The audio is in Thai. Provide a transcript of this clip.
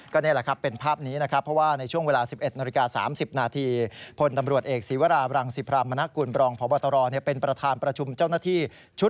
ก็นี่แหละเป็นภาพนี้